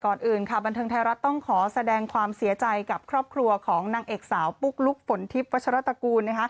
ก่อนอื่นค่ะบันเทิงไทยรัฐต้องขอแสดงความเสียใจกับครอบครัวของนางเอกสาวปุ๊กลุ๊กฝนทิพย์วัชรตระกูล